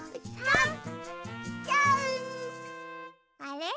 あれ？